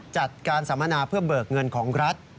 จัดการสัมมนาเพื่อเบิกเงินของรัฐ